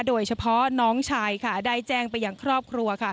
โดยเฉพาะน้องชายค่ะได้แจ้งไปยังครอบครัว